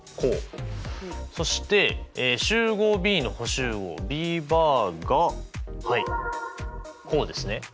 そして集合Ｂの補集合Ｂバーがはいこうですね。